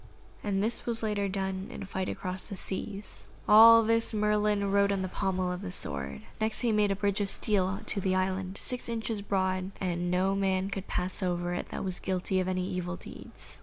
And this was later done, in a fight across the seas. All this Merlin wrote on the pommel of the sword. Next he made a bridge of steel to the island, six inches broad, and no man could pass over it that was guilty of any evil deeds.